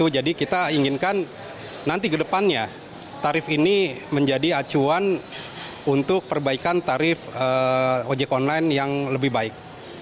jadi kita inginkan nanti ke depannya tarif ini menjadi acuan untuk perbaikan tarif ojek online yang lebih baik